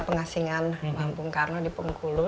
pengasingan bung karno di bengkulu